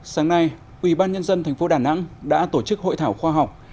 sáng nay ủy ban nhân dân thành phố đà nẵng đã tổ chức hội thảo khoa học